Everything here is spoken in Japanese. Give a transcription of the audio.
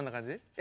え